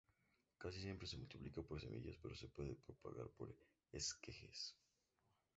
Casi siempre se multiplica por semillas, pero se puede propagar por esquejes.